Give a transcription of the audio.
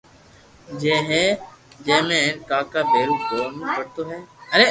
جي ۾ ھين ڪاڪا ڀيرو گونا ڀرتو ھين